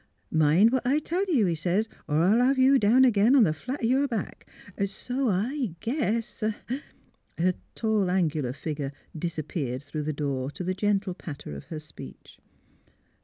' Mind what I tell you,' he sez, ' or I'll have you down again on the flat o' your back.' So I guess " Her tall, angular figure disappeared through the door to the gentle patter of her speech.